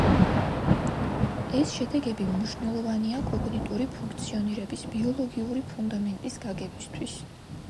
ეს შედეგები მნიშვნელოვანია კოგნიტური ფუნქციონირების ბიოლოგიური ფუნდამენტის გაგებისთვის.